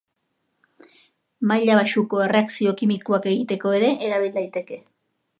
Maila baxuko erreakzio kimikoak egiteko ere erabil daiteke.